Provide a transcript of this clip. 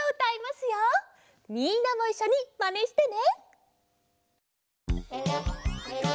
みんなもいっしょにまねしてね！